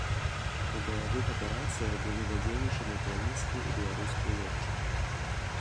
У баявых аперацыях былі задзейнічаны ўкраінскія і беларускія лётчыкі.